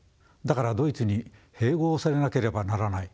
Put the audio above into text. だからドイツに併合されなければならない。